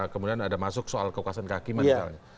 kemudian ada masuk soal kekuasaan kehakiman misalnya